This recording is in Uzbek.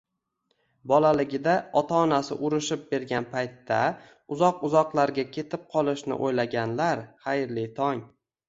Bolaligida ota-onasi urushib bergan paytda, uzoq-uzoqlarga ketib qolishni o'ylaganlar, xayrli tong!